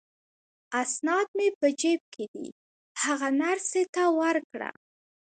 اسناد مې په جیب کې دي، هغه نرسې ته ورکړه.